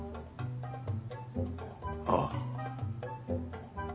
ああ。